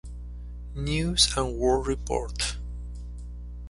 News and World Report".